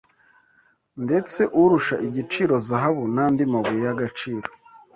ndetse urusha igiciro zahabu n’andi mabuye y’agaciro